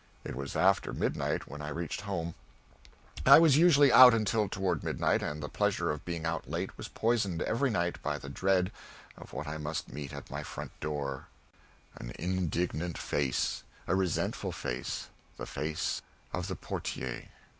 It was after midnight when I reached home; I was usually out until toward midnight, and the pleasure of being out late was poisoned, every night, by the dread of what I must meet at my front door an indignant face, a resentful face, the face of the portier.